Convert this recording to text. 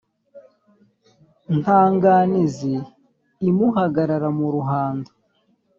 nta nganizi imuhagarara mu ruhando.